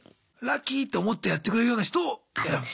ラッキーって思ってやってくれるような人を選ぶ。